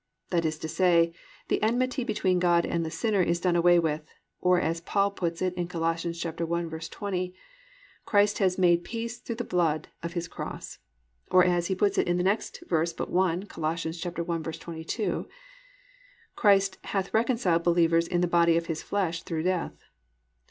"+ That is to say, the enmity between God and the sinner is done away with, or, as Paul puts it in Col. 1:20, Christ has "made peace through the blood of His cross," or, as he puts it in the next verse but one, Col. 1:22, Christ "hath reconciled" believers "in the body of His flesh through death."